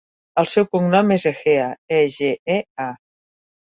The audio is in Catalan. El seu cognom és Egea: e, ge, e, a.